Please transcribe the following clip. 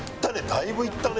だいぶいったね。